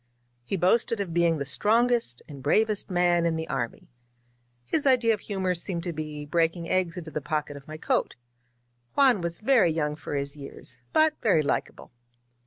He boasted of being the strongest and bravest man in the army. His idea of humor seemed to be breaking eggs into the pocket of my coat. Juan was very young for his years, but very likable.